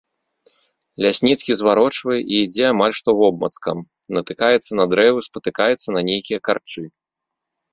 Лясніцкі зварочвае і ідзе амаль што вобмацкам, натыкаецца на дрэвы, спатыкаецца на нейкія карчы.